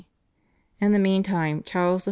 In the meantime Charles I.